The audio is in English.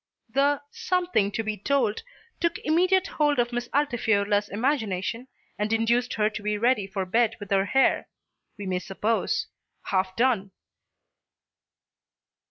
The "something to be told" took immediate hold of Miss Altifiorla's imagination, and induced her to be ready for bed with her hair, we may suppose, "half done."